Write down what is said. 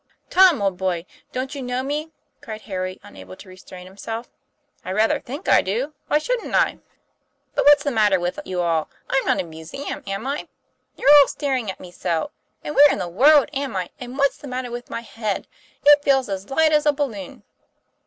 ' Tom, old boy, don't you know me ?" cried Harry, unable to restrain himself. "I rather think I do. Why shouldn't I? But 238 TOM PLAYFAIR. what's the matter with you all ? I'm not a museum, ami? You're all staring at me so! And where in the world am I, and what's the matter with my head? It feels as light as a balloon!"